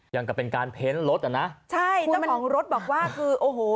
อย่างกับเป็นการเพ้นรถอ่ะนะใช่เจ้าของรถบอกว่าคือโอ้โห